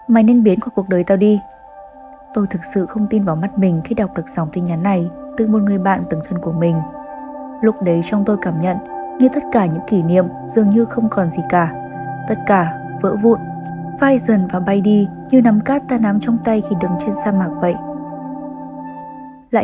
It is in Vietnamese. hãy đăng ký kênh để ủng hộ kênh của mình nhé